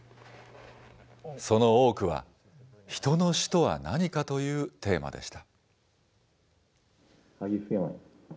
その多くは、人の死とは何かというテーマでした。